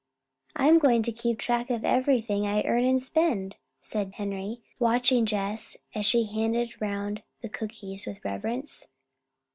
"I'm going to keep track of everything I earn and spend," said Henry, watching Jess as she handed around the cookies with reverence.